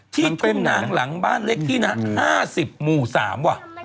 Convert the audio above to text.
ที่ถุ่งนางหลังบ้านเล็กที่แล้ว๕๐รูสาม